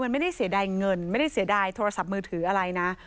ไม่ได้เสียดายโทรศัพท์มือถืออะไรนะ